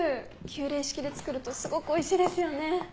急冷式で作るとすごくおいしいですよね！